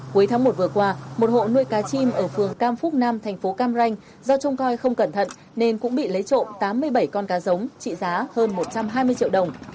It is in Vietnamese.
cuối tháng một vừa qua một hộ nuôi cá chim ở phường cam phúc nam thành phố cam ranh do trông coi không cẩn thận nên cũng bị lấy trộm tám mươi bảy con cá giống trị giá hơn một trăm hai mươi triệu đồng